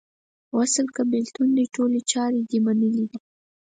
وصل که بیلتون دې ټولي چارې دې منلې دي